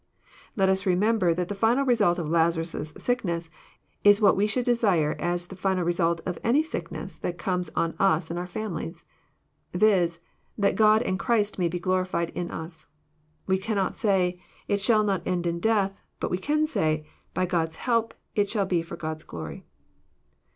Let us remember that the final result of Lazarus' sickness is ih/rhut we should desire as the result of any sickness that comes / on us and our families : viz., that God and Christ may be glori fied in us. We cannot say, <* It shall not end in death :" bat we can say, " By God's help, it shall be for God's glory."